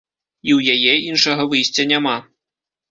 І ў яе іншага выйсця няма.